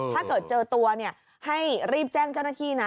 ถ้าเกิดเจอตัวให้รีบแจ้งเจ้าหน้าที่นะ